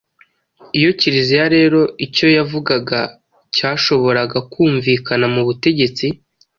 Iyo Kiliziya rero icyo yavugaga cyashoboraga kumvikana mu butegetsi,